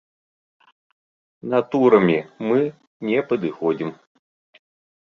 Натурамі мы не падыходзім.